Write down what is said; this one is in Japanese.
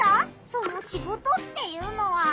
その「シゴト」っていうのは。